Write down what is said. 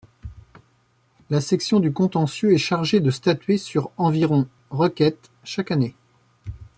La Section du contentieux est chargée de statuer sur environ requêtes chaque année.